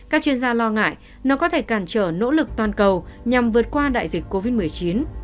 các chuyên gia lo ngại nó có thể cản trở nỗ lực toàn cầu nhằm vượt qua đại dịch covid một mươi chín